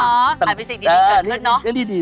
นี่ดีเลิศเลยก็ไปเกี่ยวกับเรื่องการงานด้วยสิคะ